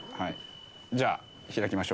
じゃあ開きましょうか。